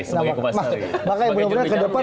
sebagai jurus becanda jadi kewajiban